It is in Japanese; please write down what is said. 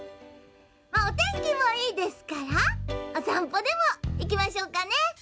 おてんきもいいですからおさんぽにいきましょうかね」。